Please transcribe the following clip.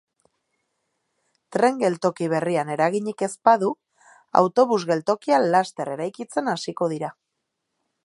Tren geltoki berrian eraginik ez badu, autobus geltokia laster eraikitzen hasiko dira.